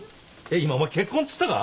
今お前結婚っつったか？